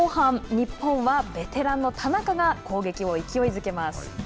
日本はベテランの田中が攻撃を勢いづけます。